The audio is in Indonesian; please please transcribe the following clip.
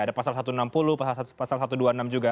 ada pasal satu ratus enam puluh pasal satu ratus dua puluh enam juga